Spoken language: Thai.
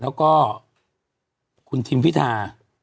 แล้วก็คุณทิมพิธา